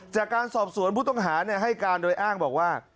จากการสอบสวนผู้ต้องหาให้การโดยอ้างบอกว่า